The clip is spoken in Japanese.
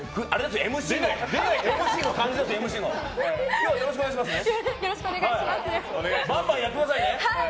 今日はよろしくお願いしますね。